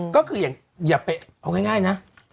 ก็คืออย่าไปเอาง่ายนะ